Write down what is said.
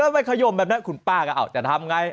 แล้วไปขยมแบบนั้นคุณป้าก็อ้าวจะทำอย่างไร